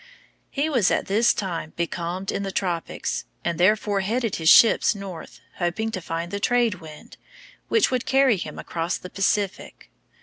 He was at this time becalmed in the tropics, and therefore headed his ships north, hoping to find the trade wind, which would carry him across the Pacific.